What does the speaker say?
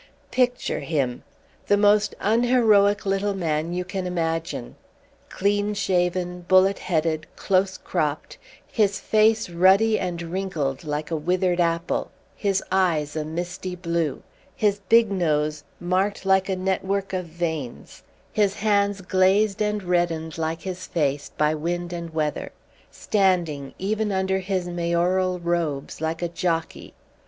Picture him. The most unheroic little man you can imagine. Clean shaven, bullet headed, close cropped, his face ruddy and wrinkled like a withered apple, his eyes a misty blue, his big nose marked like a network of veins, his hands glazed and reddened, like his face, by wind and weather; standing, even under his mayoral robes, like a jockey.